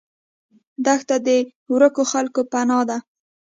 دښته د ورکو خلکو پناه ده.